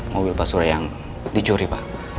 mobil pak surya yang dicuri pak